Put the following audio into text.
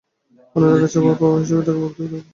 অনুরাগে চাওয়া-পাওয়ার হিসেব থাকে, ভক্তি তারও বড়ো।